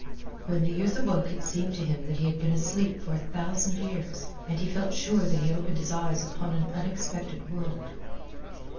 When the youth awoke it seemed to him that he had been asleep for a thousand years, and he felt sure that he opened his eyes upon an unexpected world.